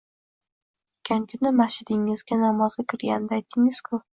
Oʻtgan kuni masjidingizga namozga kirganimda aytdingiz-ku